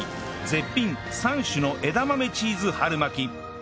絶品３種の枝豆チーズ春巻き